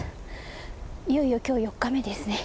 いよいよ今日４日目ですね。